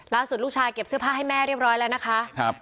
แล้วสุดลูกชายเก็บเสื้อผ้าให้แม่เรียบร้อยแล้วนะคะครับ